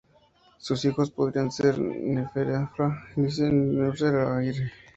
Sus hijos podrían ser Neferefra-Isi y Nyuserra-Iny.